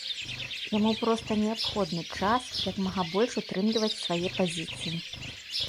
Яму проста неабходны час, як мага больш утрымліваць свае пазіцыі.